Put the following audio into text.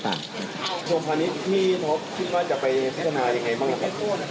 ส่วนพาณิชย์ที่ท็อปคิดว่าจะไปพิจารณาอย่างไรบ้างครับ